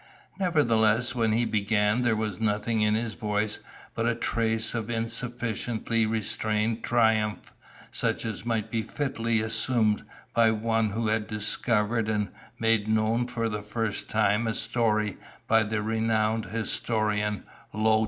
Nevertheless, when he began there was nothing in his voice but a trace of insufficiently restrained triumph, such as might be fitly assumed by one who has discovered and makes known for the first time a story by the renowned historian Lo Cha.